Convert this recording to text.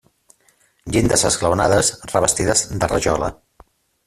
Llindes esglaonades revestides de rajola.